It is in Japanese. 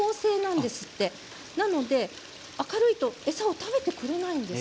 ですので明るいと餌を食べてくれないんです。